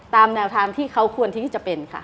ตามแนวทางที่เขาควรที่จะเป็นค่ะ